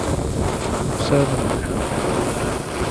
پسه د ماښام پر مهال آرام کوي.